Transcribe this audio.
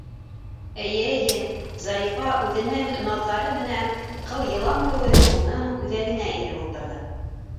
Эйе, эйе, Зарифа үҙенең наҙҙары менән ҡылйылан кеүек уның үҙәгенә инеп ултырҙы.